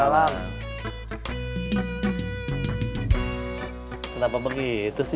nanti dengan lima puluh tahun dulu tuh ngetut ikutan